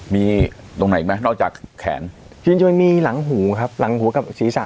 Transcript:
มีตรงไหนมั้ยนอกจากแขนมันมีหลังหูครับหลังหูกับศีรษะ